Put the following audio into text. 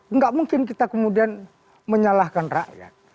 nggak mungkin kita kemudian menyalahkan rakyat